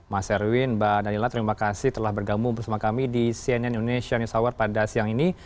mas erwin mbak danila terima kasih telah bergabung bersama kami di cnn indonesia news hour pada siang ini